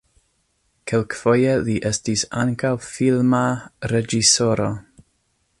Kelkfoje li estis ankaŭ filma reĝisoro.